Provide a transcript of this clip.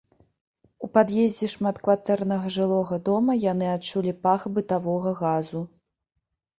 У пад'ездзе шматкватэрнага жылога дома яны адчулі пах бытавога газу.